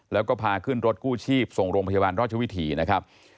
แล้วก็พาขึ้นรถกู้ชีพส่งโรงพยาบาลราชวิถีนะครับ